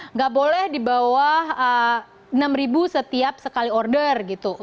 nggak boleh di bawah enam ribu setiap sekali order gitu